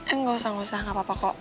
eh gak usah gak usah gak apa apa kok